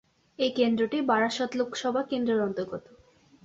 এই কেন্দ্রটি বারাসত লোকসভা কেন্দ্রের অন্তর্গত।